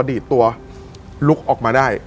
ดีดตัวลุกออกมาได้